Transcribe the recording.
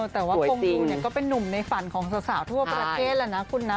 แต่ว่าคงดูก็เป็นนุ่มในฝันของสาวทั่วประเทศแล้วนะคุณนะ